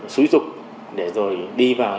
xúi dục để rồi đi vào